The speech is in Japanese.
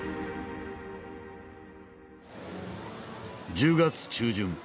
１０月中旬。